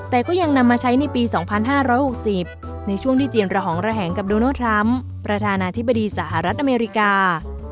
แต่ก็ยังนำมาใช้ในปี๒๕๖๐ในช่วงที่จีนระหองระแหงกับโดนัลดทรัมป์ประธานาธิบดีสหรัฐอเมริกา